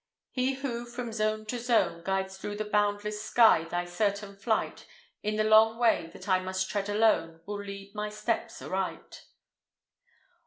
He who, from zone to zone, Guides through the boundless sky thy certain flight, In the long way that I must tread alone Will lead my steps aright.